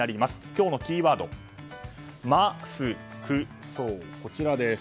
今日のキーワード、マスク。